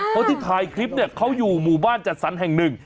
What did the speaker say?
คนที่ถ่ายคลิปเนี่ยเขาอยู่หมู่บ้านจัดสรรแห่งหนึ่ง